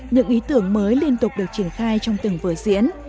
những ý tưởng mới liên tục được triển khai trong từng vở diễn